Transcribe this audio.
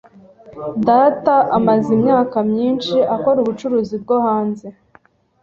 Data amaze imyaka myinshi akora ubucuruzi bwo hanze.